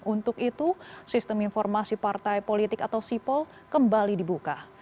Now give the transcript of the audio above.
untuk itu sistem informasi partai politik atau sipol kembali dibuka